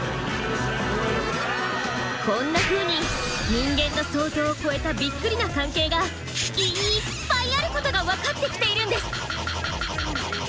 こんなふうに人間の想像を超えたびっくりな関係がいっぱいあることが分かってきているんです！